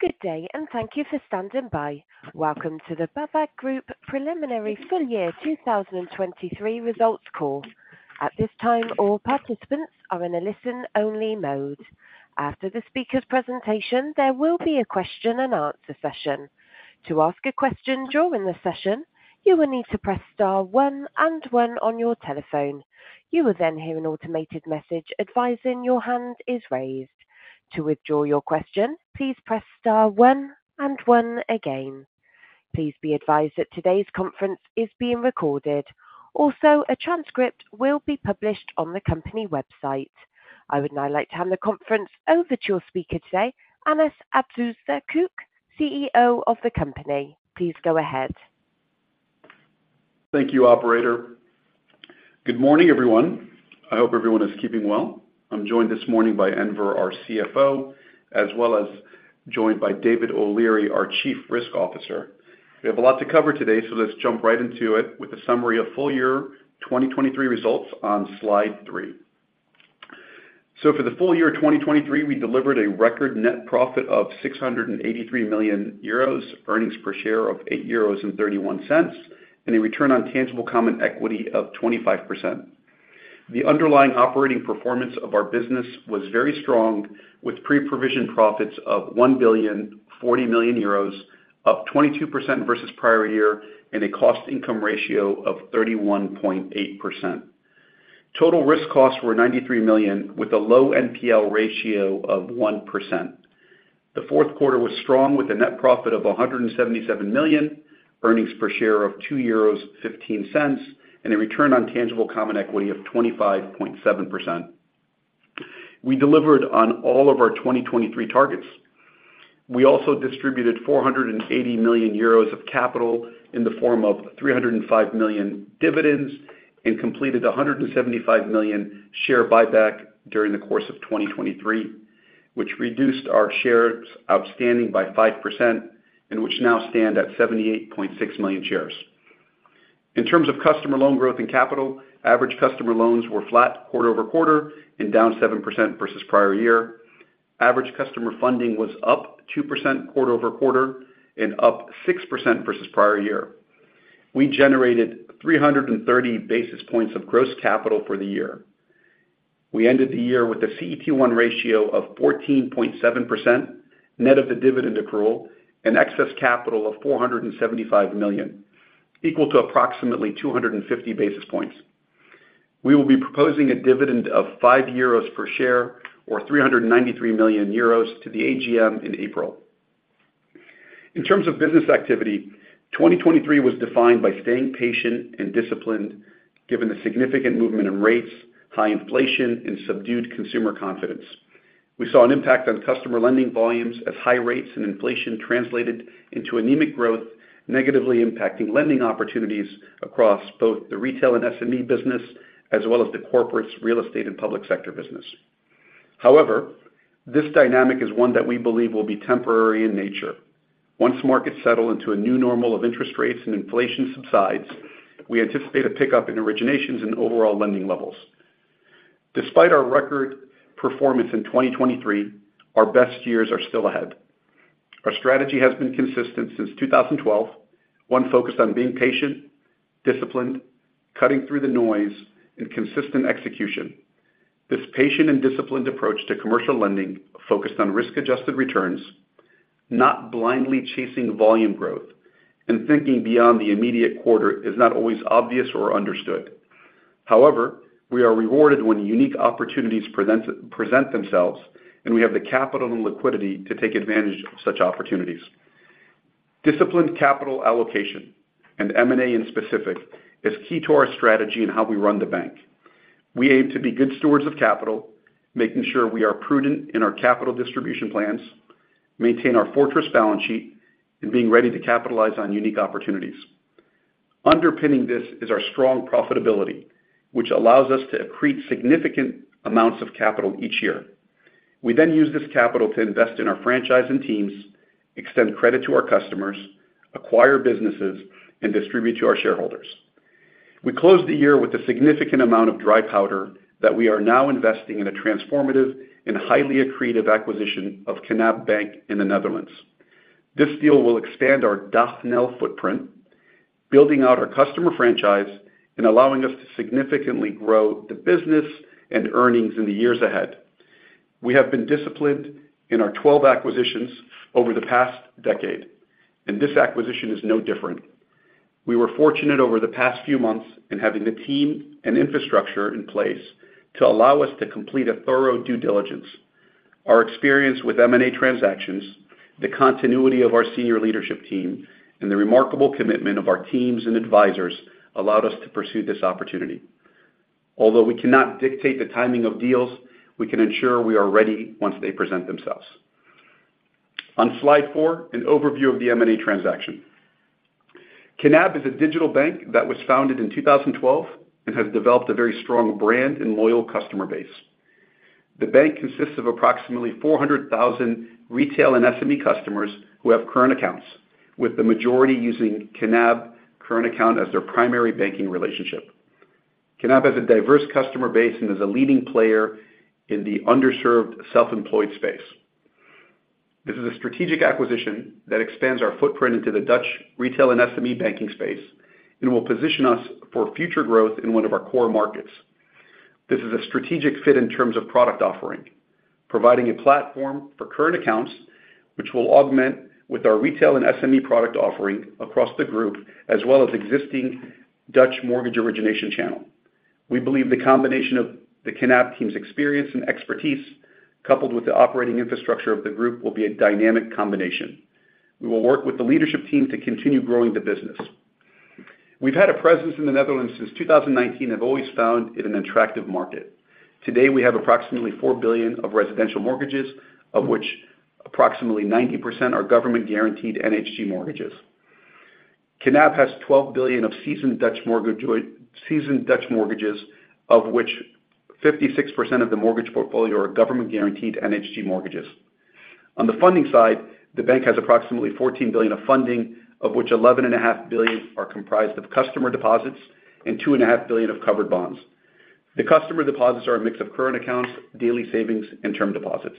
Good day, and thank you for standing by. Welcome to the BAWAG Group Preliminary Full Year 2023 Results Call. At this time, all participants are in a listen-only mode. After the speaker's presentation, there will be a question-and-answer session. To ask a question during the session, you will need to press star one and one on your telephone. You will then hear an automated message advising your hand is raised. To withdraw your question, please press star one and one again. Please be advised that today's conference is being recorded. Also, a transcript will be published on the company website. I would now like to hand the conference over to your speaker today, Anas Abuzaakouk, the CEO of the company. Please go ahead. Thank you, operator. Good morning, everyone. I hope everyone is keeping well. I'm joined this morning by Enver, our CFO, as well as joined by David O'Leary, our Chief Risk Officer. We have a lot to cover today, so let's jump right into it with a summary of full year 2023 results on slide three. So for the full year 2023, we delivered a record net profit of 683 million euros, earnings per share of 8.31 euros, and a return on tangible common equity of 25%. The underlying operating performance of our business was very strong, with pre-provision profits of 1,040 million euros, up 22% versus prior year, and a cost income ratio of 31.8%. Total risk costs were 93 million, with a low NPL ratio of 1%. The fourth quarter was strong, with a net profit of 177 million, earnings per share of 2.15 euros, and a return on tangible common equity of 25.7%. We delivered on all of our 2023 targets. We also distributed 480 million euros of capital in the form of 305 million dividends and completed a 175 million share buyback during the course of 2023, which reduced our shares outstanding by 5% and which now stand at 78.6 million shares. In terms of customer loan growth and capital, average customer loans were flat quarter-over-quarter and down 7% versus prior year. Average customer funding was up 2% quarter-over-quarter and up 6% versus prior year. We generated 330 basis points of gross capital for the year. We ended the year with a CET1 ratio of 14.7%, net of the dividend accrual and excess capital of 475 million, equal to approximately 250 basis points. We will be proposing a dividend of 5 euros per share or 393 million euros to the AGM in April. In terms of business activity, 2023 was defined by staying patient and disciplined, given the significant movement in rates, high inflation and subdued consumer confidence. We saw an impact on customer lending volumes as high rates and inflation translated into anemic growth, negatively impacting lending opportunities across both the retail and SME business, as well as the corporates, real estate and public sector business. However, this dynamic is one that we believe will be temporary in nature. Once markets settle into a new normal of interest rates and inflation subsides, we anticipate a pickup in originations and overall lending levels. Despite our record performance in 2023, our best years are still ahead. Our strategy has been consistent since 2012, one focused on being patient, disciplined, cutting through the noise, and consistent execution. This patient and disciplined approach to commercial lending, focused on risk-adjusted returns, not blindly chasing volume growth and thinking beyond the immediate quarter, is not always obvious or understood. However, we are rewarded when unique opportunities present themselves, and we have the capital and liquidity to take advantage of such opportunities. Disciplined capital allocation and M&A in specific is key to our strategy and how we run the bank. We aim to be good stewards of capital, making sure we are prudent in our capital distribution plans, maintain our fortress balance sheet, and being ready to capitalize on unique opportunities. Underpinning this is our strong profitability, which allows us to accrete significant amounts of capital each year. We then use this capital to invest in our franchise and teams, extend credit to our customers, acquire businesses and distribute to our shareholders. We closed the year with a significant amount of dry powder that we are now investing in a transformative and highly accretive acquisition of Knab Bank in the Netherlands. This deal will expand our DACH-NL footprint, building out our customer franchise and allowing us to significantly grow the business and earnings in the years ahead. We have been disciplined in our 12 acquisitions over the past decade, and this acquisition is no different. We were fortunate over the past few months in having the team and infrastructure in place to allow us to complete a thorough due diligence. Our experience with M&A transactions, the continuity of our senior leadership team, and the remarkable commitment of our teams and advisors allowed us to pursue this opportunity. Although we cannot dictate the timing of deals, we can ensure we are ready once they present themselves. On slide four, an overview of the M&A transaction. Knab is a digital bank that was founded in 2012 and has developed a very strong brand and loyal customer base. The bank consists of approximately 400,000 retail and SME customers who have current accounts, with the majority using Knab current account as their primary banking relationship. Knab has a diverse customer base and is a leading player in the underserved self-employed space. This is a strategic acquisition that expands our footprint into the Dutch retail and SME banking space, and will position us for future growth in one of our core markets. This is a strategic fit in terms of product offering, providing a platform for current accounts, which will augment with our retail and SME product offering across the group, as well as existing Dutch mortgage origination channel. We believe the combination of the Knab team's experience and expertise, coupled with the operating infrastructure of the group, will be a dynamic combination. We will work with the leadership team to continue growing the business. We've had a presence in the Netherlands since 2019 and have always found it an attractive market. Today, we have approximately 4 billion of residential mortgages, of which approximately 90% are government-guaranteed NHG mortgages. Knab has 12 billion of seasoned Dutch mortgages, of which 56% of the mortgage portfolio are government-guaranteed NHG mortgages. On the funding side, the bank has approximately EUR 14 billion of funding, of which EUR 11.5 billion are comprised of customer deposits and EUR 2.5 billion of covered bonds. The customer deposits are a mix of current accounts, daily savings, and term deposits.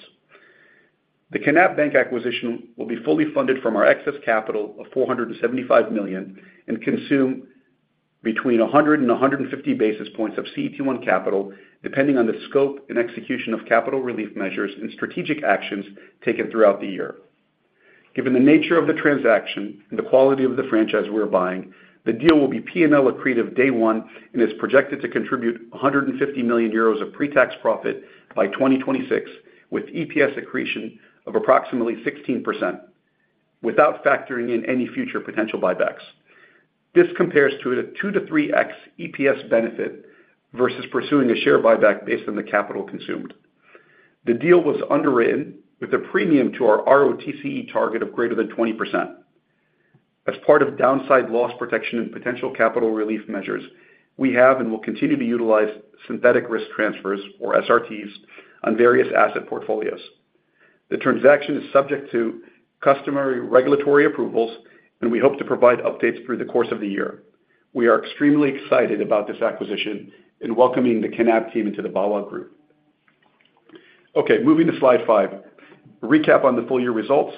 The Knab Bank acquisition will be fully funded from our excess capital of 475 million, and consume between 100 and 150 basis points of CET1 capital, depending on the scope and execution of capital relief measures and strategic actions taken throughout the year. Given the nature of the transaction and the quality of the franchise we are buying, the deal will be P&L accretive day one and is projected to contribute 150 million euros of pre-tax profit by 2026, with EPS accretion of approximately 16%, without factoring in any future potential buybacks. This compares to a 2-3x EPS benefit versus pursuing a share buyback based on the capital consumed. The deal was underwritten with a premium to our ROTCE target of greater than 20%. As part of downside loss protection and potential capital relief measures, we have and will continue to utilize synthetic risk transfers, or SRTs, on various asset portfolios. The transaction is subject to customary regulatory approvals, and we hope to provide updates through the course of the year. We are extremely excited about this acquisition and welcoming the Knab team into the BAWAG Group. Okay, moving to slide five. Recap on the full year results.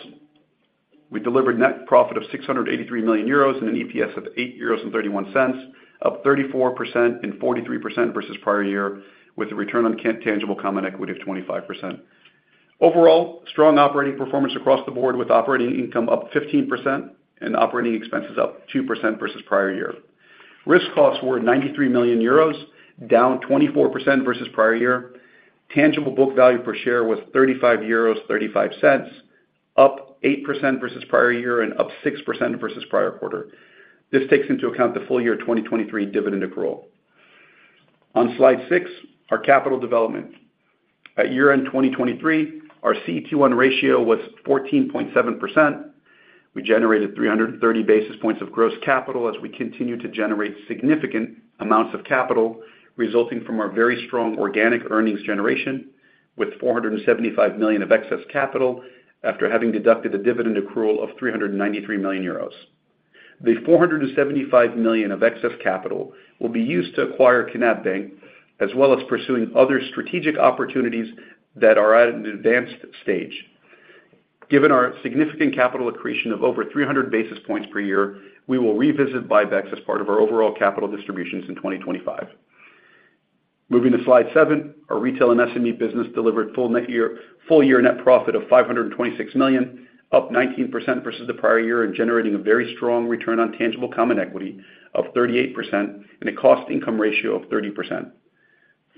We delivered net profit of 683 million euros and an EPS of 8.31 euros, up 34% and 43% versus prior year, with a return on tangible common equity of 25%. Overall, strong operating performance across the board, with operating income up 15% and operating expenses up 2% versus prior year. Risk costs were 93 million euros, down 24% versus prior year. Tangible book value per share was 35.35 euros, up 8% versus prior year and up 6% versus prior quarter. This takes into account the full year 2023 dividend accrual. On slide six, our capital development. At year-end 2023, our CET1 ratio was 14.7%. We generated 330 basis points of gross capital as we continue to generate significant amounts of capital, resulting from our very strong organic earnings generation, with 475 million of excess capital after having deducted a dividend accrual of 393 million euros. The 475 million of excess capital will be used to acquire Knab Bank, as well as pursuing other strategic opportunities that are at an advanced stage. Given our significant capital accretion of over 300 basis points per year, we will revisit buybacks as part of our overall capital distributions in 2025. Moving to Slide seven, our retail and SME business delivered full year net profit of 526 million, up 19% versus the prior year, and generating a very strong return on tangible common equity of 38% and a cost income ratio of 30%.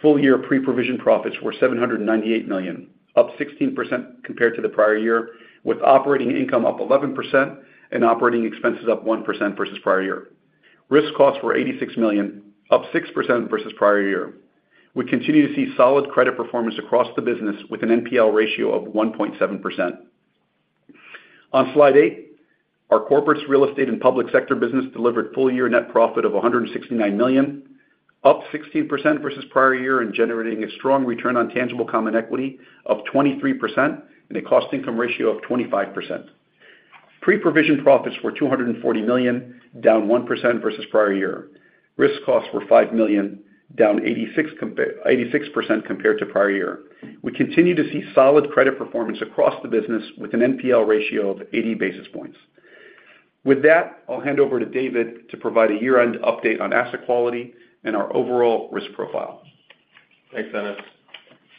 Full year pre-provision profits were 798 million, up 16% compared to the prior year, with operating income up 11% and operating expenses up 1% versus prior year. Risk costs were 86 million, up 6% versus prior year. We continue to see solid credit performance across the business with an NPL ratio of 1.7%. On slide eight, our corporates, real estate, and public sector business delivered full year net profit of 169 million, up 16% versus prior year, and generating a strong return on tangible common equity of 23% and a cost income ratio of 25%. Pre-provision profits were 240 million, down 1% versus prior year. Risk costs were 5 million, down 86% compared to prior year. We continue to see solid credit performance across the business with an NPL ratio of 80 basis points. With that, I'll hand over to David to provide a year-end update on asset quality and our overall risk profile. Thanks, Dennis.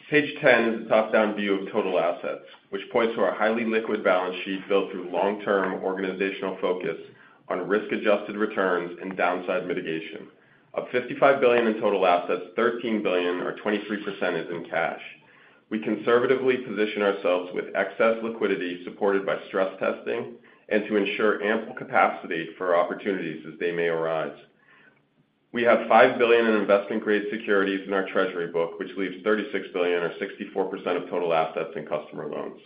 Page ten is a top-down view of total assets, which points to our highly liquid balance sheet built through long-term organizational focus on risk-adjusted returns and downside mitigation. Of 55 billion in total assets, 13 billion or 23% is in cash. We conservatively position ourselves with excess liquidity supported by stress testing and to ensure ample capacity for opportunities as they may arise. We have 5 billion in investment-grade securities in our treasury book, which leaves 36 billion or 64% of total assets in customer loans.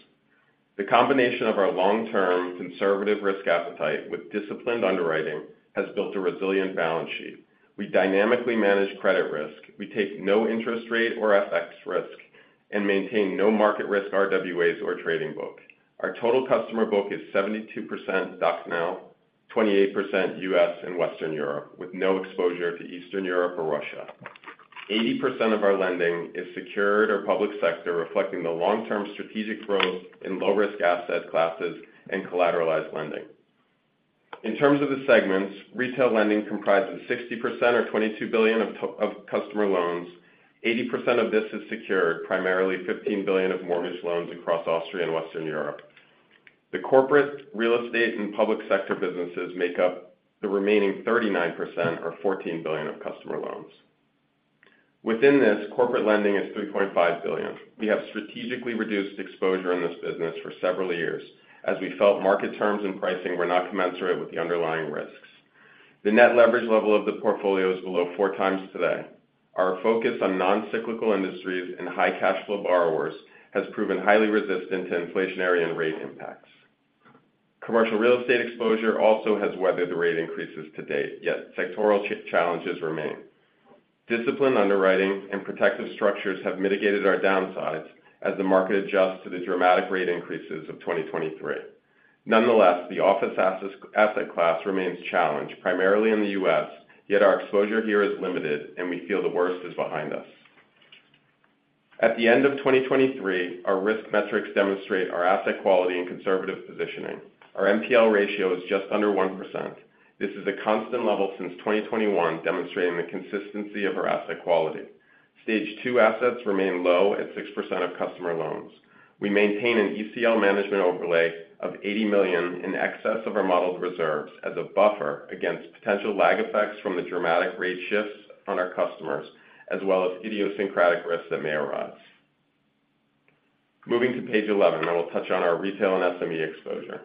The combination of our long-term conservative risk appetite with disciplined underwriting has built a resilient balance sheet. We dynamically manage credit risk. We take no interest rate or FX risk and maintain no market risk RWAs or trading book. Our total customer book is 72% DACH-NL, 28% US and Western Europe, with no exposure to Eastern Europe or Russia. 80% of our lending is secured or public sector, reflecting the long-term strategic growth in low-risk asset classes and collateralized lending. In terms of the segments, retail lending comprises 60% or 22 billion of customer loans. 80% of this is secured, primarily 15 billion of mortgage loans across Austria and Western Europe. The corporate, real estate, and public sector businesses make up the remaining 39% or 14 billion of customer loans. Within this, corporate lending is 3.5 billion. We have strategically reduced exposure in this business for several years, as we felt market terms and pricing were not commensurate with the underlying risks. The net leverage level of the portfolio is below 4 times today. Our focus on non-cyclical industries and high cash flow borrowers has proven highly resistant to inflationary and rate impacts. Commercial real estate exposure also has weathered the rate increases to date, yet sectoral challenges remain. Disciplined underwriting and protective structures have mitigated our downsides as the market adjusts to the dramatic rate increases of 2023. Nonetheless, the office asset class remains challenged, primarily in the U.S., yet our exposure here is limited, and we feel the worst is behind us. At the end of 2023, our risk metrics demonstrate our asset quality and conservative positioning. Our NPL ratio is just under 1%. This is a constant level since 2021, demonstrating the consistency of our asset quality. Stage two assets remain low at 6% of customer loans. We maintain an ECL management overlay of 80 million in excess of our modeled reserves as a buffer against potential lag effects from the dramatic rate shifts on our customers, as well as idiosyncratic risks that may arise. Moving to page 11, and I will touch on our retail and SME exposure.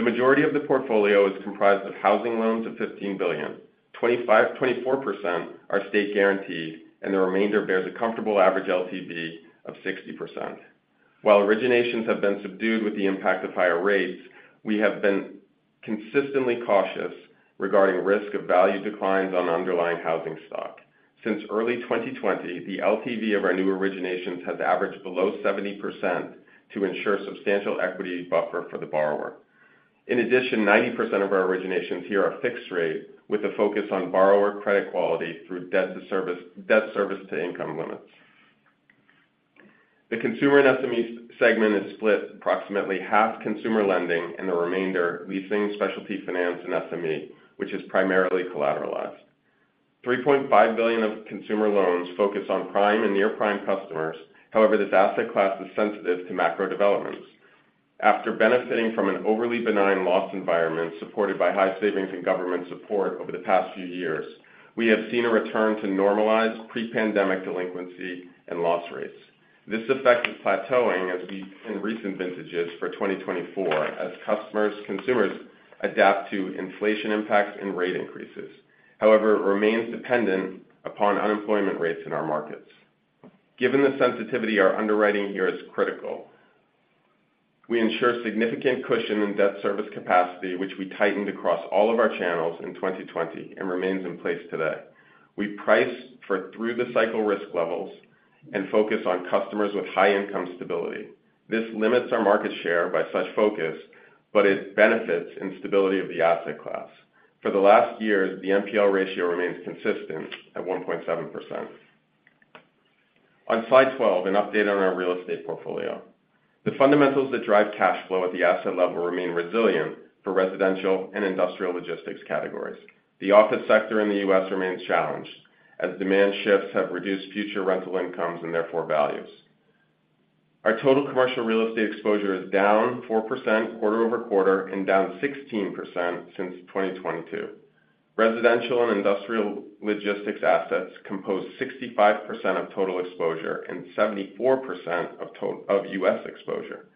The majority of the portfolio is comprised of housing loans of 15 billion. 24% are state guaranteed, and the remainder bears a comfortable average LTV of 60%. While originations have been subdued with the impact of higher rates, we have been consistently cautious regarding risk of value declines on underlying housing stock. Since early 2020, the LTV of our new originations has averaged below 70% to ensure substantial equity buffer for the borrower. In addition, 90% of our originations here are fixed rate, with a focus on borrower credit quality through debt service to income limits. The consumer and SME segment is split approximately half consumer lending, and the remainder, leasing, specialty finance, and SME, which is primarily collateralized. 3.5 billion of consumer loans focus on prime and near-prime customers. However, this asset class is sensitive to macro developments. After benefiting from an overly benign loss environment supported by high savings and government support over the past few years, we have seen a return to normalized pre-pandemic delinquency and loss rates. This effect is plateauing as in recent vintages for 2024, as customers, consumers adapt to inflation impacts and rate increases. However, it remains dependent upon unemployment rates in our markets. Given the sensitivity, our underwriting here is critical. We ensure significant cushion and debt service capacity, which we tightened across all of our channels in 2020, and remains in place today. We price for through-the-cycle risk levels and focus on customers with high income stability. This limits our market share by such focus, but it benefits in stability of the asset class. For the last years, the NPL ratio remains consistent at 1.7%. On slide 12, an update on our real estate portfolio. The fundamentals that drive cash flow at the asset level remain resilient for residential and industrial logistics categories. The office sector in the U.S. remains challenged, as demand shifts have reduced future rental incomes and therefore values. Our total commercial real estate exposure is down 4% quarter-over-quarter and down 16% since 2022. Residential and industrial logistics assets compose 65% of total exposure and 74% of U.S. exposure.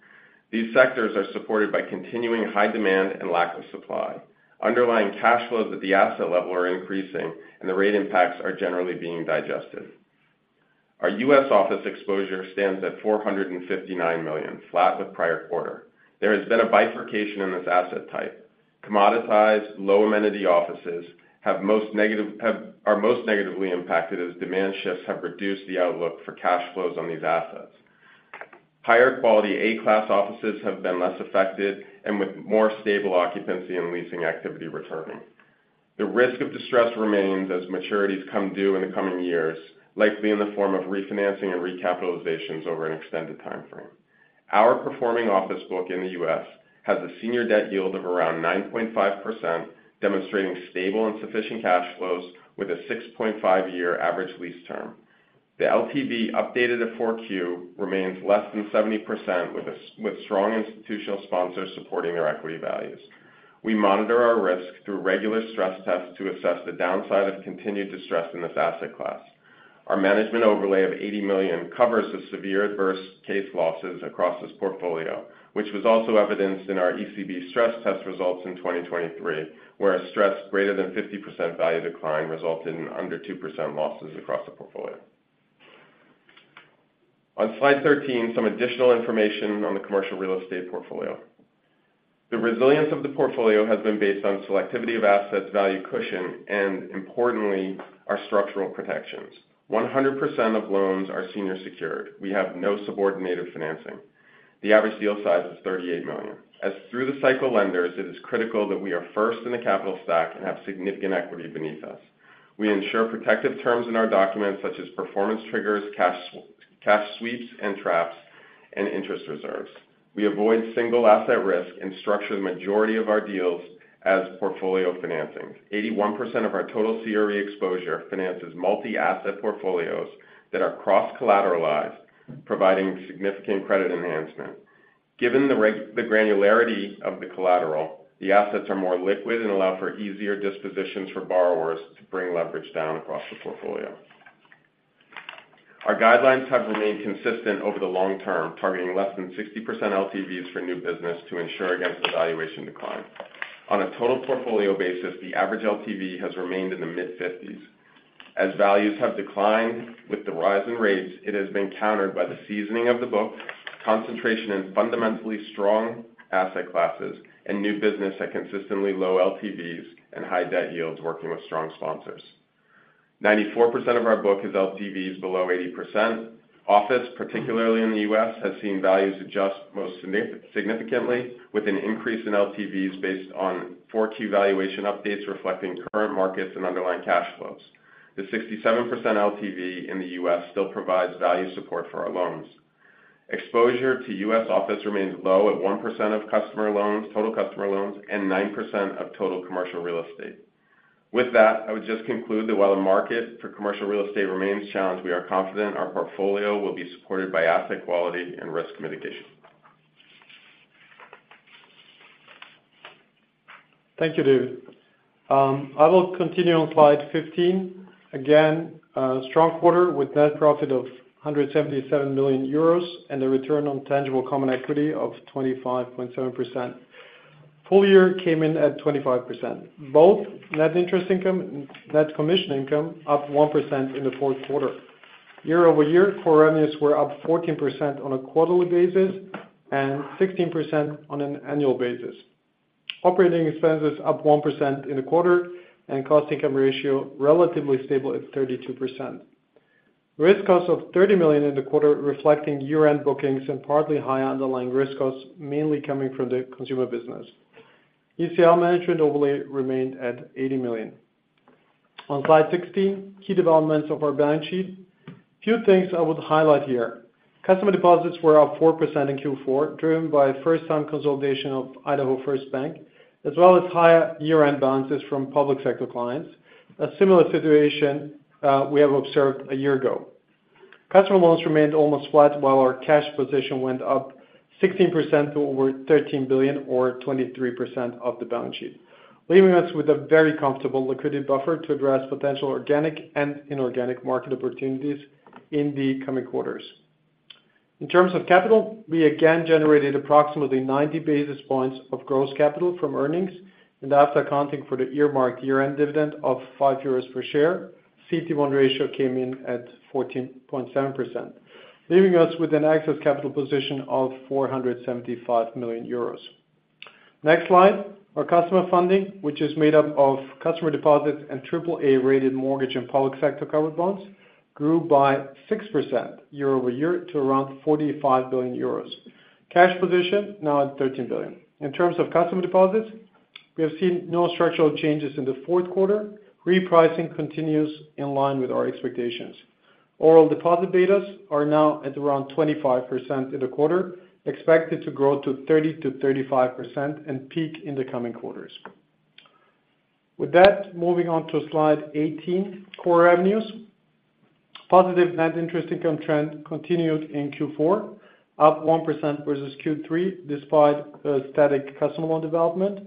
These sectors are supported by continuing high demand and lack of supply. Underlying cash flows at the asset level are increasing, and the rate impacts are generally being digested. Our U.S. office exposure stands at $459 million, flat with prior quarter. There has been a bifurcation in this asset type. Commoditized, low-amenity offices are most negatively impacted, as demand shifts have reduced the outlook for cash flows on these assets. Higher quality A-class offices have been less affected and with more stable occupancy and leasing activity returning. The risk of distress remains as maturities come due in the coming years, likely in the form of refinancing and recapitalizations over an extended time frame. Our performing office book in the U.S. has a senior debt yield of around 9.5%, demonstrating stable and sufficient cash flows with a 6.5-year average lease term. The LTV, updated at Q4, remains less than 70%, with strong institutional sponsors supporting their equity values. We monitor our risk through regular stress tests to assess the downside of continued distress in this asset class. Our management overlay of 80 million covers the severe adverse case losses across this portfolio, which was also evidenced in our ECB stress test results in 2023, where a stress greater than 50% value decline resulted in under 2% losses across the portfolio. On slide 13, some additional information on the commercial real estate portfolio. The resilience of the portfolio has been based on selectivity of assets, value cushion, and importantly, our structural protections. 100% of loans are senior secured. We have no subordinated financing. The average deal size is 38 million. As through the cycle lenders, it is critical that we are first in the capital stack and have significant equity beneath us. We ensure protective terms in our documents, such as performance triggers, cash, cash sweeps and traps, and interest reserves. We avoid single asset risk and structure the majority of our deals as portfolio financing. 81% of our total CRE exposure finances multi-asset portfolios that are cross-collateralized, providing significant credit enhancement. Given the the granularity of the collateral, the assets are more liquid and allow for easier dispositions for borrowers to bring leverage down across the portfolio. Our guidelines have remained consistent over the long term, targeting less than 60% LTVs for new business to ensure against valuation decline. On a total portfolio basis, the average LTV has remained in the mid-50s. As values have declined with the rise in rates, it has been countered by the seasoning of the book, concentration in fundamentally strong asset classes, and new business at consistently low LTVs and high debt yields working with strong sponsors. 94% of our book is LTVs below 80%. Office, particularly in the U.S., has seen values adjust most significantly, with an increase in LTVs based on 4 key valuation updates reflecting current markets and underlying cash flows. The 67% LTV in the U.S. still provides value support for our loans. Exposure to U.S. office remains low at 1% of customer loans, total customer loans, and 9% of total commercial real estate. With that, I would just conclude that while the market for commercial real estate remains challenged, we are confident our portfolio will be supported by asset quality and risk mitigation. Thank you, David. I will continue on slide 15. Again, a strong quarter with net profit of 177 million euros and a return on tangible common equity of 25.7%. Full year came in at 25%. Both net interest income and net commission income up 1% in the fourth quarter. Year-over-year, core revenues were up 14% on a quarterly basis and 16% on an annual basis. Operating expenses up 1% in the quarter and cost income ratio relatively stable at 32%. Risk costs of 30 million in the quarter, reflecting year-end bookings and partly high underlying risk costs, mainly coming from the consumer business. ECL management overlay remained at 80 million. On slide 16, key developments of our balance sheet. Few things I would highlight here. Customer deposits were up 4% in Q4, driven by first time consolidation of Idaho First Bank, as well as higher year-end balances from public sector clients. A similar situation, we have observed a year ago. Customer loans remained almost flat while our cash position went up 16% to over 13 billion or 23% of the balance sheet, leaving us with a very comfortable liquidity buffer to address potential organic and inorganic market opportunities in the coming quarters. In terms of capital, we again generated approximately 90 basis points of gross capital from earnings, and after accounting for the earmarked year-end dividend of 5 euros per share, CET1 ratio came in at 14.7%, leaving us with an excess capital position of 475 million euros. Next slide, our customer funding, which is made up of customer deposits and triple-A rated mortgage and public sector covered loans, grew by 6% year-over-year to around 45 billion euros. Cash position now at 13 billion. In terms of customer deposits, we have seen no structural changes in the fourth quarter. Repricing continues in line with our expectations. Overall deposit betas are now at around 25% in the quarter, expected to grow to 30%-35% and peak in the coming quarters. With that, moving on to slide 18, core revenues. Positive net interest income trend continued in Q4, up 1% versus Q3, despite a static customer loan development.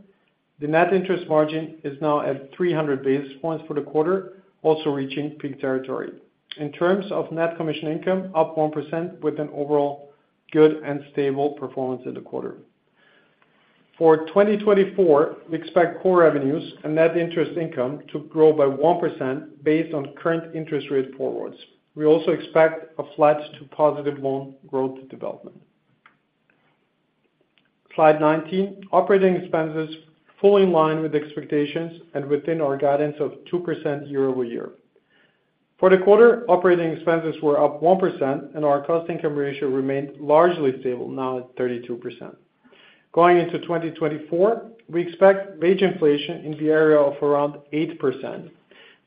The net interest margin is now at 300 basis points for the quarter, also reaching peak territory. In terms of net commission income, up 1%, with an overall good and stable performance in the quarter. For 2024, we expect core revenues and net interest income to grow by 1% based on current interest rate forwards. We also expect a flat to positive loan growth development. Slide 19. Operating expenses fully in line with expectations and within our guidance of 2% year-over-year. For the quarter, operating expenses were up 1%, and our cost income ratio remained largely stable, now at 32%. Going into 2024, we expect wage inflation in the area of around 8%.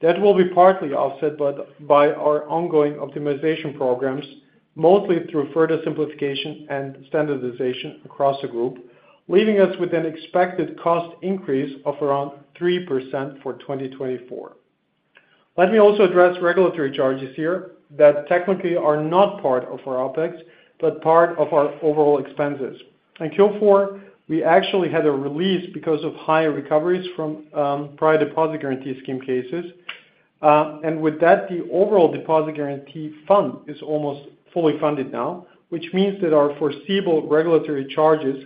That will be partly offset, but by our ongoing optimization programs, mostly through further simplification and standardization across the group, leaving us with an expected cost increase of around 3% for 2024. Let me also address regulatory charges here that technically are not part of our OpEx, but part of our overall expenses. In Q4, we actually had a release because of higher recoveries from prior deposit guarantee scheme cases. With that, the overall deposit guarantee fund is almost fully funded now, which means that our foreseeable regulatory charges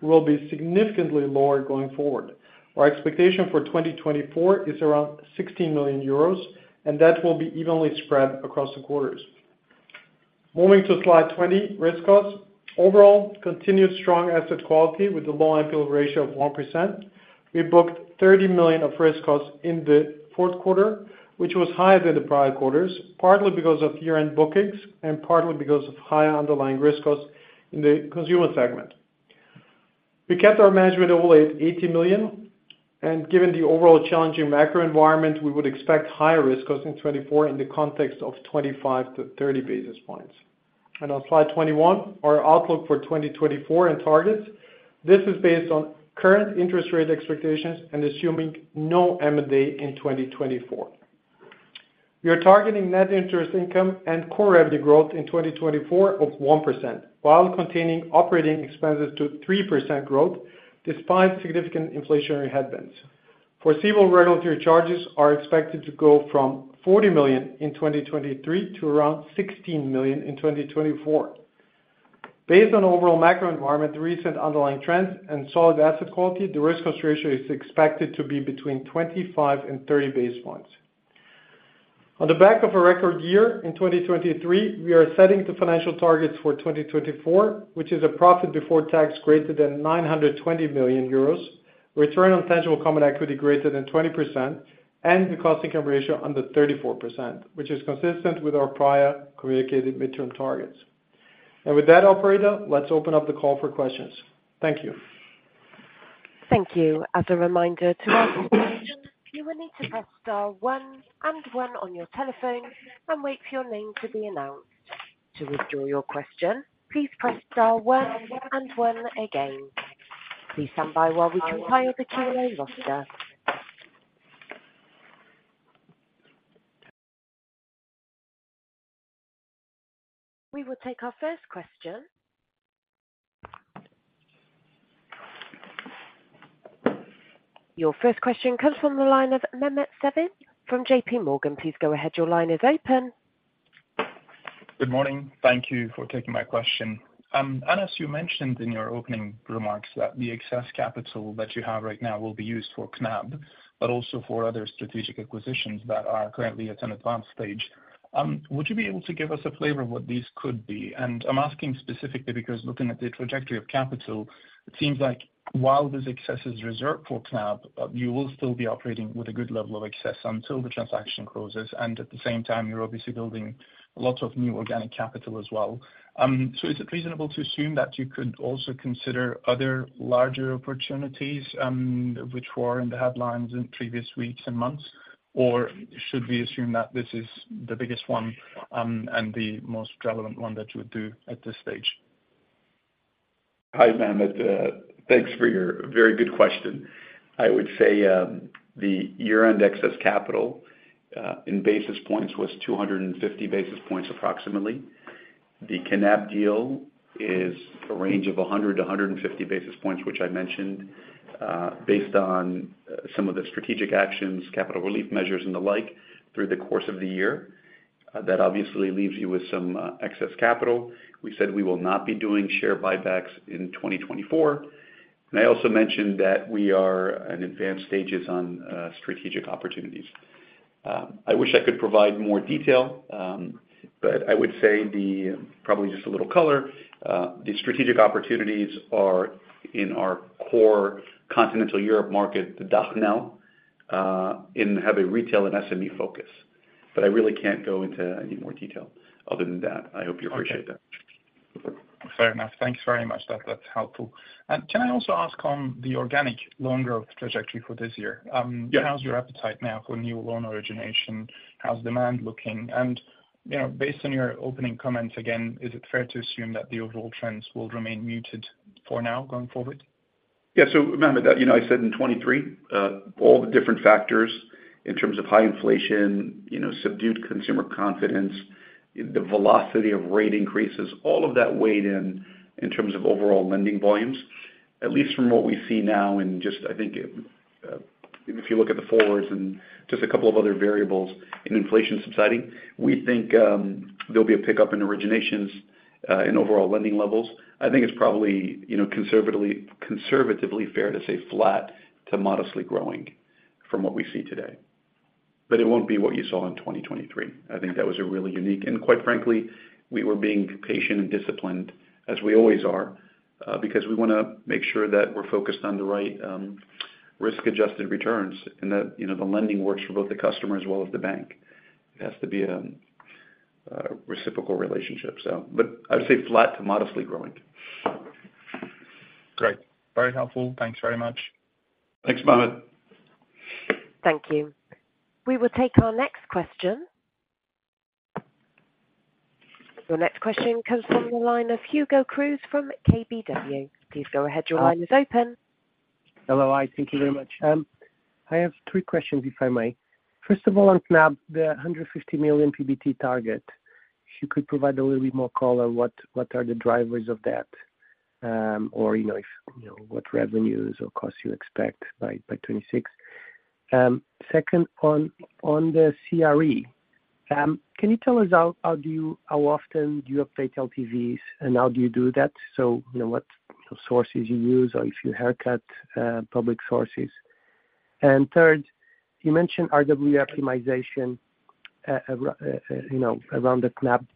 will be significantly lower going forward. Our expectation for 2024 is around 16 million euros, and that will be evenly spread across the quarters. Moving to slide 20, risk costs. Overall, continued strong asset quality with a low NPL ratio of 1%. We booked 30 million of risk costs in the fourth quarter, which was higher than the prior quarters, partly because of year-end bookings and partly because of higher underlying risk costs in the consumer segment. We kept our management goal at 80 million, and given the overall challenging macro environment, we would expect higher risk costs in 2024 in the context of 25-30 basis points. On slide 21, our outlook for 2024 and targets. This is based on current interest rate expectations and assuming no M&A in 2024. We are targeting net interest income and core revenue growth in 2024 of 1%, while containing operating expenses to 3% growth, despite significant inflationary headwinds. Foreseeable regulatory charges are expected to go from 40 million in 2023 to around 16 million in 2024. Based on overall macro environment, the recent underlying trends and solid asset quality, the risk cost ratio is expected to be between 25 and 30 basis points. On the back of a record year in 2023, we are setting the financial targets for 2024, which is a profit before tax greater than 920 million euros, return on tangible common equity greater than 20%, and the cost income ratio under 34%, which is consistent with our prior communicated midterm targets. With that, operator, let's open up the call for questions. Thank you. Thank you. As a reminder, to ask a question, you will need to press star one and one on your telephone and wait for your name to be announced. To withdraw your question, please press star one and one again. Please stand by while we compile the QA roster. We will take our first question. Your first question comes from the line of Mehmet Sevim from JPMorgan. Please go ahead. Your line is open. Good morning. Thank you for taking my question. Anas, you mentioned in your opening remarks that the excess capital that you have right now will be used for Knab, but also for other strategic acquisitions that are currently at an advanced stage. Would you be able to give us a flavor of what these could be? And I'm asking specifically because looking at the trajectory of capital, it seems like while this excess is reserved for Knab, you will still be operating with a good level of excess until the transaction closes, and at the same time, you're obviously building a lot of new organic capital as well. So is it reasonable to assume that you could also consider other larger opportunities, which were in the headlines in previous weeks and months? Or should we assume that this is the biggest one, and the most relevant one that you would do at this stage? Hi, Mehmet, thanks for your very good question. I would say the year-end excess capital in basis points was 250 basis points, approximately. The Knab deal is a range of 100-150 basis points, which I mentioned based on some of the strategic actions, capital relief measures, and the like, through the course of the year. That obviously leaves you with some excess capital. We said we will not be doing share buybacks in 2024, and I also mentioned that we are in advanced stages on strategic opportunities. I wish I could provide more detail, but I would say probably just a little color, the strategic opportunities are in our core continental Europe market, the DACH-NL, and have a retail and SME focus. But I really can't go into any more detail other than that. I hope you appreciate that. Fair enough. Thanks very much. That, that's helpful. And can I also ask on the organic loan growth trajectory for this year? Yeah. How's your appetite now for new loan origination? How's demand looking? You know, based on your opening comments, again, is it fair to assume that the overall trends will remain muted for now going forward? Yeah, so remember that, you know, I said in 2023, all the different factors in terms of high inflation, you know, subdued consumer confidence, the velocity of rate increases, all of that weighed in, in terms of overall lending volumes. At least from what we see now and just I think, if you look at the forwards and just a couple of other variables in inflation subsiding, we think, there'll be a pickup in originations, in overall lending levels. I think it's probably, you know, conservatively, conservatively fair to say flat to modestly growing from what we see today. But it won't be what you saw in 2023. I think that was a really unique and quite frankly, we were being patient and disciplined, as we always are, because we wanna make sure that we're focused on the right, risk-adjusted returns, and that, you know, the lending works for both the customer as well as the bank. It has to be a, a reciprocal relationship so but I'd say flat to modestly growing. Great. Very helpful. Thanks very much. Thanks, Mehmet. Thank you. We will take our next question. Your next question comes from the line of Hugo Cruz from KBW. Please go ahead, your line is open. Hello, hi. Thank you very much. I have three questions, if I may. First of all, on Knab, the 150 million PBT target. If you could provide a little bit more color, what, what are the drivers of that? Or, you know, if, you know, what revenues or costs you expect by, by 2026. Second, on the CRE, can you tell us how, how do you—how often do you update LTVs, and how do you do that? So, you know, what sources you use or if you haircut public sources. And third, you mentioned RWA optimization, you know, around the Knab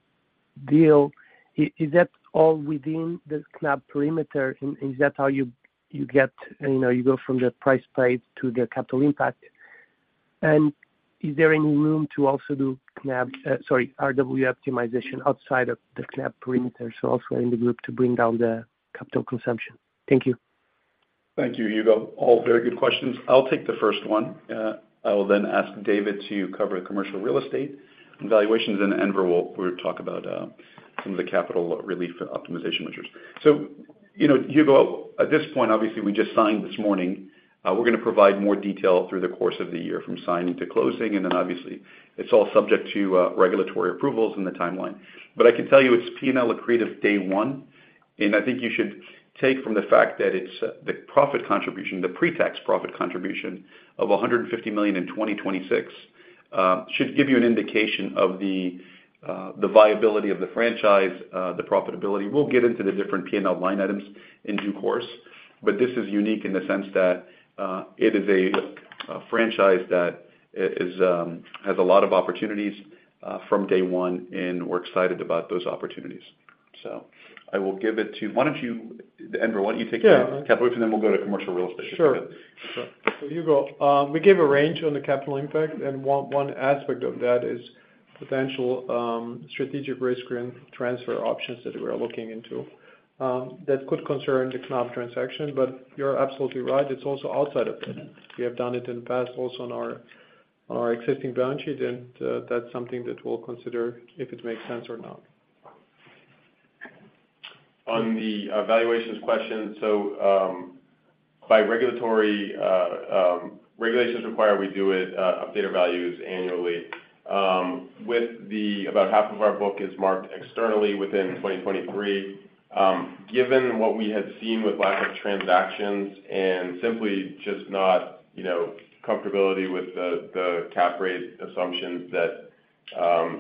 deal. Is that all within the Knab perimeter? And is that how you get, you know, you go from the price paid to the capital impact? And is there any room to also do Knab, sorry, RWA optimization outside of the Knab perimeter, so also in the group to bring down the capital consumption? Thank you. Thank you, Hugo. All very good questions. I'll take the first one. I will then ask David to cover the commercial real estate and valuations, and Enver will talk about some of the capital relief optimization measures. So, you know, Hugo, at this point, obviously, we just signed this morning. We're gonna provide more detail through the course of the year from signing to closing, and then obviously, it's all subject to regulatory approvals and the timeline. But I can tell you it's P&L accretive day one, and I think you should take from the fact that it's the profit contribution, the pre-tax profit contribution of 150 million in 2026, should give you an indication of the viability of the franchise, the profitability. We'll get into the different P&L line items in due course, but this is unique in the sense that it is a franchise that has a lot of opportunities from day one, and we're excited about those opportunities. So I will give it to... Why don't you, Enver, why don't you take the- Yeah capital, and then we'll go to Commercial Real Estate? Sure. Sure. So Hugo, we gave a range on the capital impact, and one aspect of that is potential strategic risk transfer options that we are looking into that could concern the Knab transaction. But you're absolutely right, it's also outside of it. We have done it in the past also on our existing balance sheet, and that's something that we'll consider if it makes sense or not. On the valuations question, so, by regulatory regulations require we do it update our values annually. About half of our book is marked externally within 2023. Given what we had seen with lack of transactions and simply just not, you know, comfortability with the cap rate assumptions that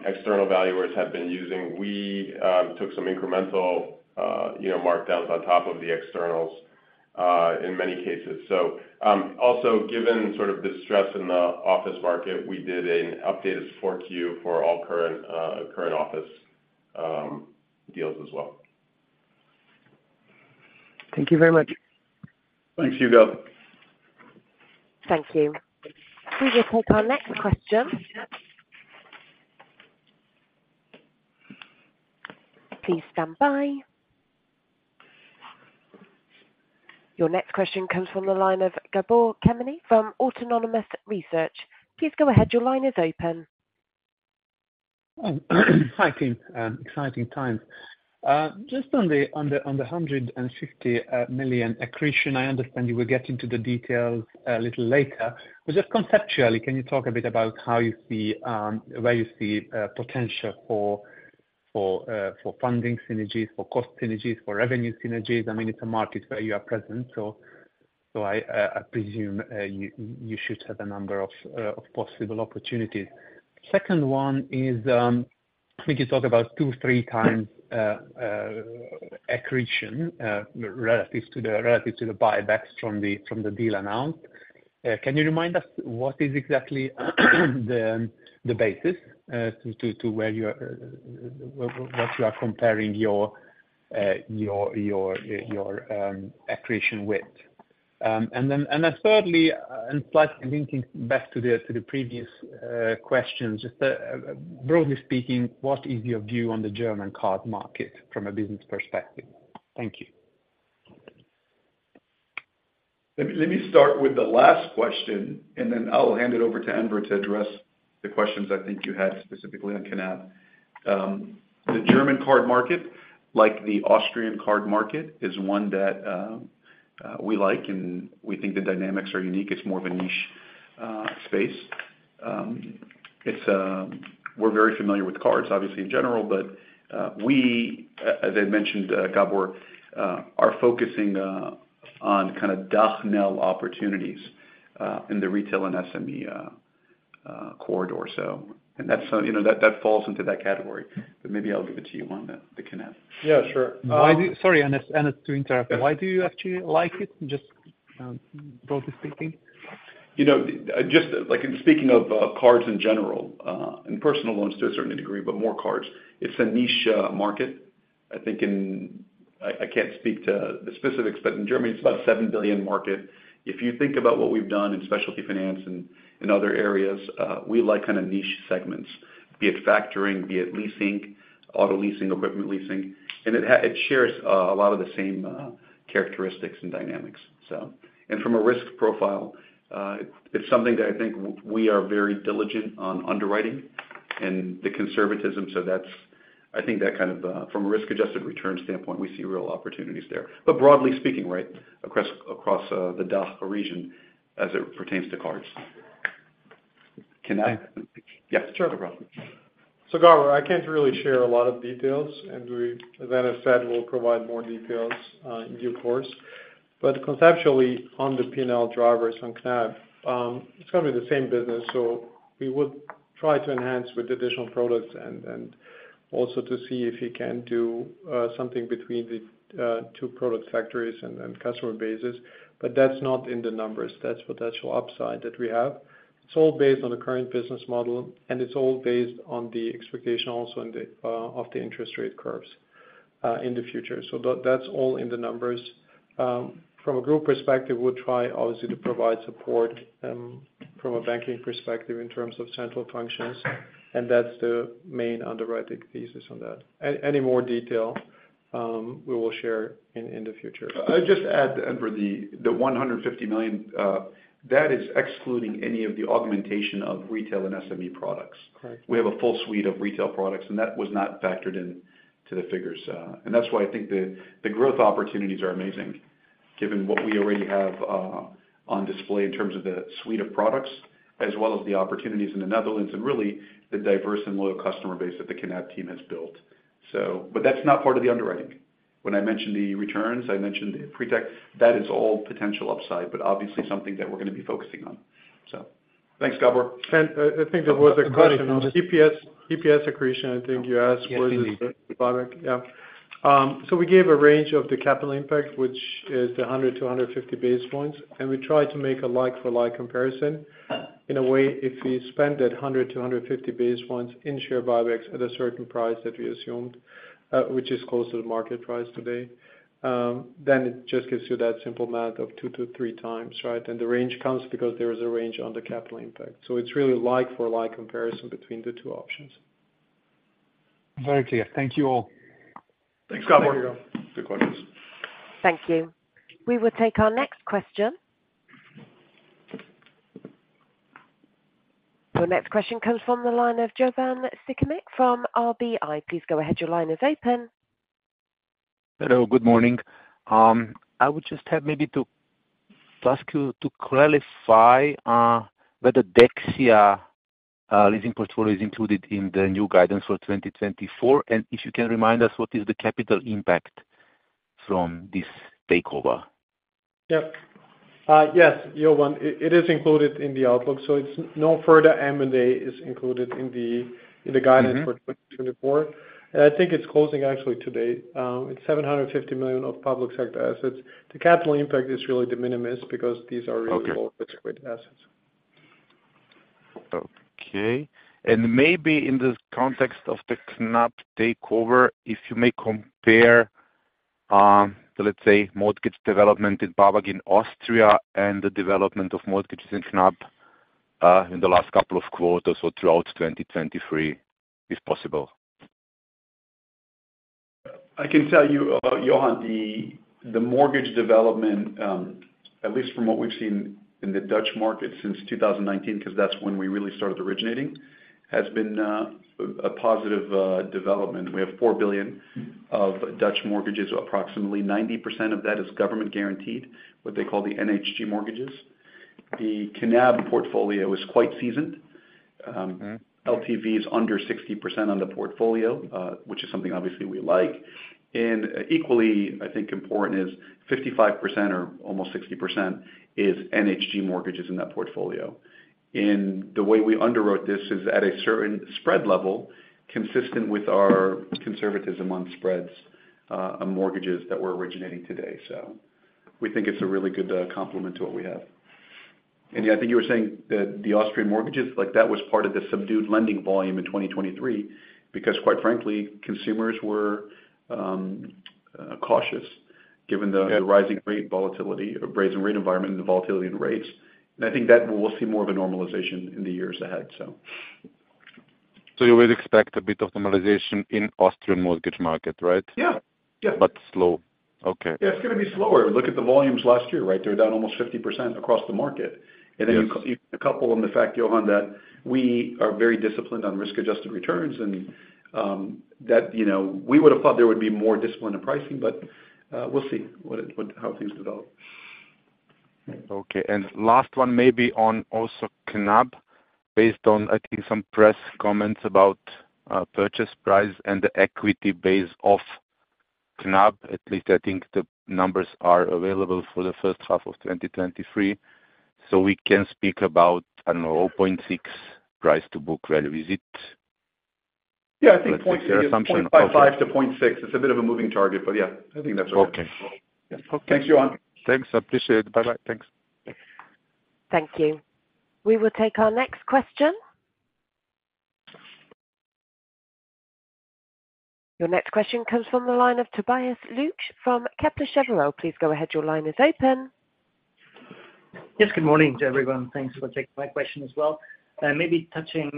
external valuers have been using, we took some incremental, you know, markdowns on top of the externals in many cases. So, also, given sort of the stress in the office market, we did an updated Q4 for all current office deals as well. Thank you very much. Thanks, Hugo. Thank you. We will take our next question. Please stand by. Your next question comes from the line of Gabor Kemeny from Autonomous Research. Please go ahead, your line is open. Hi, team, exciting times. Just on the 150 million accretion, I understand you will get into the details a little later. But just conceptually, can you talk a bit about how you see where you see potential for funding synergies, for cost synergies, for revenue synergies? I mean, it's a market where you are present, so I presume you should have a number of possible opportunities. Second one is, I think you talked about two, three times accretion relative to the buybacks from the deal announced. Can you remind us what is exactly the basis to where you are what you are comparing your accretion with? And then thirdly, slightly linking back to the previous questions, just broadly speaking, what is your view on the German card market from a business perspective? Thank you. Let me start with the last question, and then I will hand it over to Enver to address the questions I think you had specifically on Knab. The German card market, like the Austrian card market, is one that we like, and we think the dynamics are unique. It's more of a niche space. We're very familiar with cards, obviously, in general, but as I mentioned, Gabor, we are focusing on kind of DACH NL opportunities in the retail and SME corridor. And that's, you know, that falls into that category. But maybe I'll give it to you on the Knab. Yeah, sure. Why do you-- Sorry, and to interrupt. Yeah. Why do you actually like it, just, broadly speaking? You know, just like in speaking of cards in general and personal loans to a certain degree, but more cards, it's a niche market. I think in... I can't speak to the specifics, but in Germany, it's about a 7 billion market. If you think about what we've done in specialty finance and other areas, we like kind of niche segments, be it factoring, be it leasing, auto leasing, equipment leasing, and it shares a lot of the same characteristics and dynamics, so. And from a risk profile, it's something that I think we are very diligent on underwriting and the conservatism. So that's, I think that kind of, from a risk-adjusted return standpoint, we see real opportunities there. But broadly speaking, right, across, across the DACH region as it pertains to cards. Can I? Yes, sure. No problem. So Gabor, I can't really share a lot of details, and we, as I said, we'll provide more details in due course. But conceptually, on the P&L drivers on Knab, it's gonna be the same business, so we would try to enhance with additional products and also to see if we can do something between the two product factories and customer bases. But that's not in the numbers. That's potential upside that we have. It's all based on the current business model, and it's all based on the expectation also in the of the interest rate curves in the future. So that's all in the numbers. From a group perspective, we'll try obviously to provide support from a banking perspective in terms of central functions, and that's the main underwriting thesis on that. Any more detail, we will share in the future. I'll just add, and for the 150 million, that is excluding any of the augmentation of retail and SME products. Correct. We have a full suite of retail products, and that was not factored into the figures. And that's why I think the, the growth opportunities are amazing, given what we already have, on display in terms of the suite of products, as well as the opportunities in the Netherlands, and really, the diverse and loyal customer base that the Knab team has built. So, but that's not part of the underwriting. When I mentioned the returns, I mentioned pre-tax. That is all potential upside, but obviously something that we're gonna be focusing on. So thanks, Gabor. I think there was a question on EPS, EPS accretion. I think you asked for the product. Yeah. So we gave a range of the capital impact, which is the 100-150 basis points, and we tried to make a like-for-like comparison. In a way, if we spend that 100-150 basis points in share buybacks at a certain price that we assumed, which is close to the market price today, then it just gives you that simple math of 2-3 times, right? And the range comes because there is a range on the capital impact. So it's really like-for-like comparison between the two options. Very clear. Thank you all. Thanks, Gabor. Good questions. Thank you. We will take our next question. The next question comes from the line of Jovan Sikimic from RBI. Please go ahead. Your line is open. Hello, good morning. I would just have maybe to ask you to clarify whether Dexia leasing portfolio is included in the new guidance for 2024, and if you can remind us what is the capital impact from this takeover? Yep. Yes, Jovan, it is included in the outlook, so it's no further M&A is included in the guidance for 2024. I think it's closing actually today. It's 750 million of public sector assets. The capital impact is really de minimis because these are really- Okay. Liquid assets. Okay. And maybe in the context of the Knab takeover, if you may compare, let's say, mortgage development in BAWAG in Austria and the development of mortgages in Knab, in the last couple of quarters or throughout 2023, if possible. I can tell you, Jovan, the mortgage development, at least from what we've seen in the Dutch market since 2019, because that's when we really started originating, has been, a positive, development. We have 4 billion of Dutch mortgages. Approximately 90% of that is government guaranteed, what they call the NHG mortgages. The Knab portfolio is quite seasoned. LTV is under 60% on the portfolio, which is something obviously we like. And equally, I think important is 55% or almost 60% is NHG mortgages in that portfolio. And the way we underwrote this is at a certain spread level, consistent with our conservatism on spreads, on mortgages that we're originating today. So we think it's a really good, complement to what we have. And yeah, I think you were saying that the Austrian mortgages, like that was part of the subdued lending volume in 2023, because quite frankly, consumers were cautious given the- Yeah Rising rate volatility, or raising rate environment and the volatility in rates. I think that we'll see more of a normalization in the years ahead, so. You would expect a bit of normalization in Austrian mortgage market, right? Yeah. Yeah. But slow. Okay. Yeah, it's going to be slower. Look at the volumes last year, right? They're down almost 50% across the market. Yes. And then you couple them the fact, Jovan, that we are very disciplined on risk-adjusted returns and, that, you know, we would have thought there would be more discipline in pricing, but, we'll see what how things develop. Okay. And last one, maybe on also Knab, based on, I think, some press comments about purchase price and the equity base of Knab. At least, I think the numbers are available for the first half of 2023. So we can speak about, I don't know, 0.6 price to book value, is it? Yeah, I think point- Assumption. 0.55%-0.6%. It's a bit of a moving target, but yeah, I think that's okay. Okay. Thanks, Jovan. Thanks, I appreciate it. Bye-bye. Thanks. Thank you. We will take our next question. Your next question comes from the line of Tobias Lukesch from Kepler Cheuvreux. Please go ahead. Your line is open. Yes, good morning to everyone. Thanks for taking my question as well. Maybe touching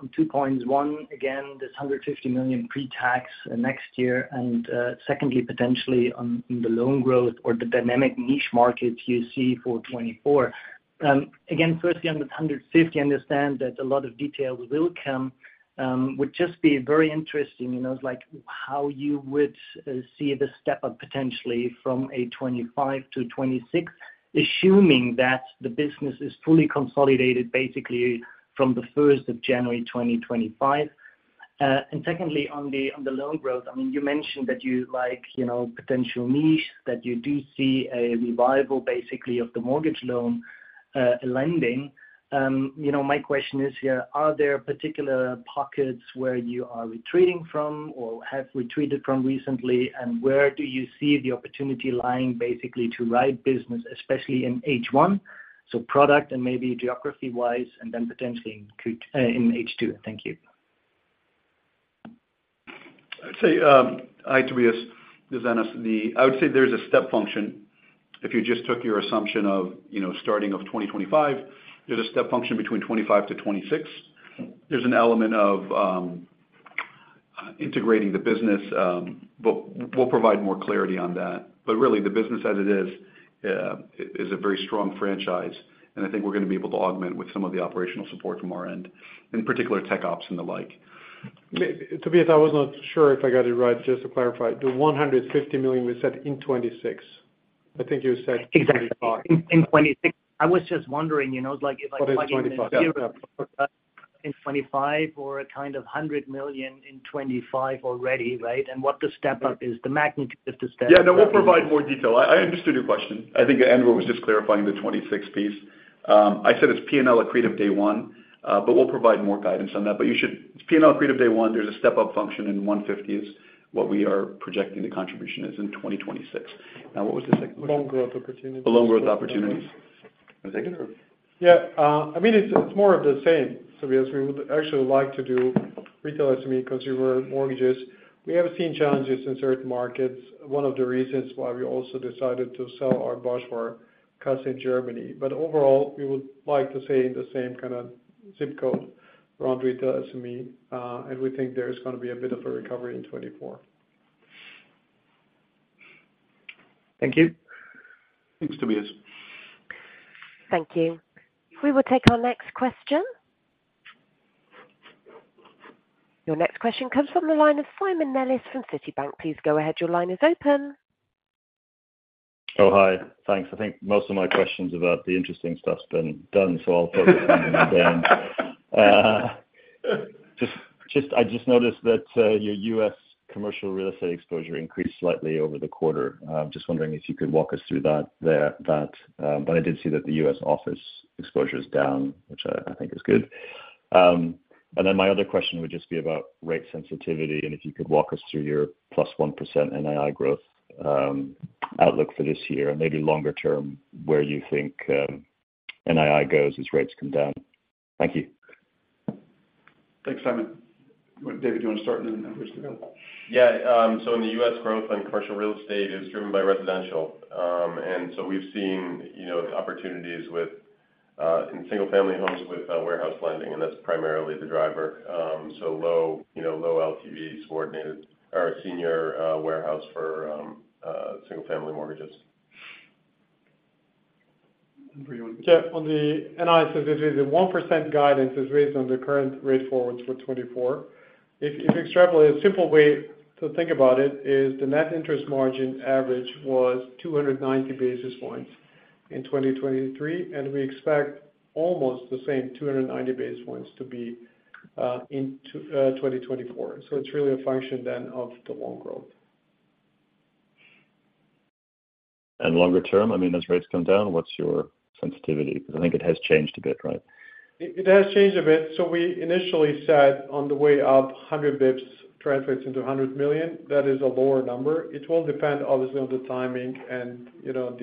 on two points. One, again, this 150 million pre-tax next year, and secondly, potentially on the loan growth or the dynamic niche markets you see for 2024. Again, firstly, on the 150, I understand that a lot of details will come. Would just be very interesting, you know, like how you would see the step up potentially from a 2025 to 2026, assuming that the business is fully consolidated basically from the first of January 2025? And secondly, on the loan growth, I mean, you mentioned that you like, you know, potential niche, that you do see a revival, basically, of the mortgage loan lending. You know, my question is here, are there particular pockets where you are retreating from or have retreated from recently? And where do you see the opportunity lying, basically, to write business, especially in H1, so product and maybe geography-wise, and then potentially in H2? Thank you. I'd say, hi, Tobias Luke, I would say there's a step function. If you just took your assumption of, you know, starting of 2025, there's a step function between 2025 to 2026. There's an element of integrating the business, but we'll provide more clarity on that. But really, the business as it is, is a very strong franchise, and I think we're going to be able to augment with some of the operational support from our end, in particular, tech ops and the like. Tobias, I was not sure if I got it right. Just to clarify, the 150 million we said in 2026. I think you said 2025. Exactly. In 2026. I was just wondering, you know, like, if I- It's twenty-five. In 2025 or a kind of 100 million in 2025 already, right? And what the step-up is, the magnitude of the step-up. Yeah, no, we'll provide more detail. I, I understood your question. I think Enver was just clarifying the 26 piece. I said it's P&L accretive day one, but we'll provide more guidance on that. But you should - P&L accretive day one, there's a step-up function, and 150 is what we are projecting the contribution is in 2026. Now, what was the second question? Loan growth opportunities. The loan growth opportunities. You want to take it or? Yeah, I mean, it's, it's more of the same, Tobias. We would actually like to do retail SME consumer mortgages. We have seen challenges in certain markets, one of the reasons why we also decided to sell our Basware for customers in Germany. But overall, we would like to stay in the same kind of zip code around retail SME, and we think there is gonna be a bit of a recovery in 2024. Thank you. Thanks, Tobias. Thank you. We will take our next question. Your next question comes from the line of Simon Nellis from Citibank. Please go ahead. Your line is open. Oh, hi. Thanks. I think most of my questions about the interesting stuff's been done, so I'll focus on again. Just, I just noticed that your U.S. commercial real estate exposure increased slightly over the quarter. I'm just wondering if you could walk us through that, but I did see that the U.S. office exposure is down, which I think is good. And then my other question would just be about rate sensitivity, and if you could walk us through your +1% NII growth outlook for this year, and maybe longer term, where you think NII goes as rates come down. Thank you. Thanks, Simon. David, you want to start and then Andrew? Yeah, so in the U.S., growth on commercial real estate is driven by residential. And so we've seen, you know, opportunities with, in single-family homes with, warehouse lending, and that's primarily the driver. So low, you know, low LTVs, coordinated or senior, warehouse for, single-family mortgages. And for you? Yeah, on the NII sensitivity, the 1% guidance is based on the current rate forwards for 2024. If you extrapolate, a simple way to think about it is the net interest margin average was 290 basis points in 2023, and we expect almost the same, 290 basis points to be in 2024. So it's really a function then of the loan growth. Longer term, I mean, as rates come down, what's your sensitivity? Because I think it has changed a bit, right? It has changed a bit. So we initially said on the way up, 100 basis points translates into 100 million. That is a lower number. It will depend obviously on the timing and, you know,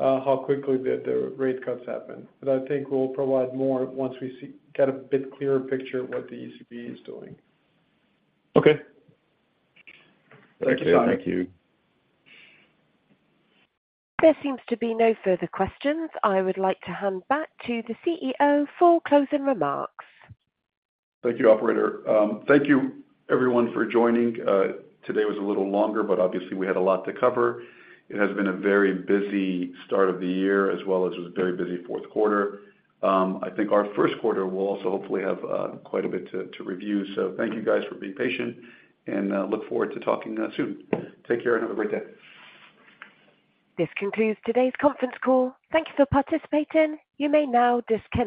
how quickly the rate cuts happen. But I think we'll provide more once we see get a bit clearer picture of what the ECB is doing. Okay. Thank you, Simon. Thank you. There seems to be no further questions. I would like to hand back to the CEO for closing remarks. Thank you, operator. Thank you everyone for joining. Today was a little longer, but obviously we had a lot to cover. It has been a very busy start of the year, as well as a very busy fourth quarter. I think our first quarter will also hopefully have quite a bit to review. So thank you guys for being patient, and look forward to talking soon. Take care and have a great day. This concludes today's conference call. Thank you for participating. You may now disconnect.